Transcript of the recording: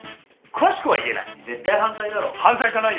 詳しくは言えない。